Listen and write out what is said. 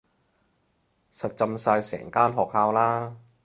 實浸晒成間學校啦